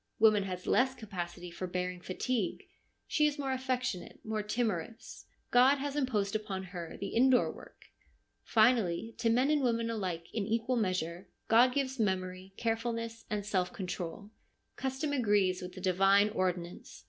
Woman has less capacity for bearing fatigue ; she is more affectionate, more timorous. God has imposed upon her the indoor work. Finally, to men and women alike in equal measure, God gives memory, carefulness, and self control. Custom agrees with the divine ordinance.